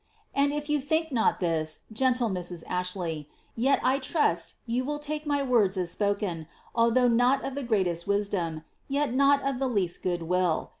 And if you think not this, gende Mrs. Astley, yet I trust you will take my words as spoken, although not of the greatest wisdom, yet not of the least good will.